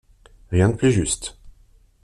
Rien de plus juste.